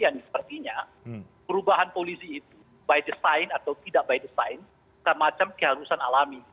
yang sepertinya perubahan polisi itu by design atau tidak by design semacam keharusan alami